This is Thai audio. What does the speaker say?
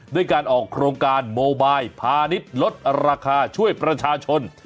ด้วยการออกโครงการโมบายพาณิชย์ลดราคาช่วยประชาชน